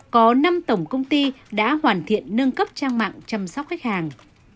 có năm tổng công ty đã hoàn thiện nâng cấp trang mạng chăm sóc khách hàng